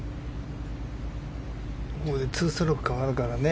ここで２ストローク変わるからね。